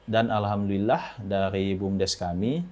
dan alhamdulillah dari bumdes kami